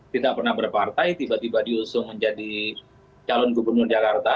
tidak pernah berpartai tiba tiba diusung menjadi calon gubernur jakarta